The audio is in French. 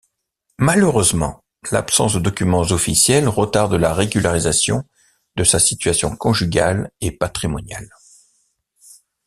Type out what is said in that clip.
Malheureusement, l'absence de documents officiels retarde la régularisation de sa situation conjugale et patrimoniale.